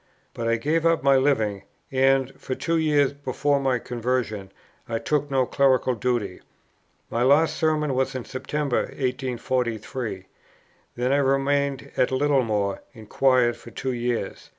But I gave up my living; and, for two years before my conversion, I took no clerical duty. My last Sermon was in September, 1843; then I remained at Littlemore in quiet for two years.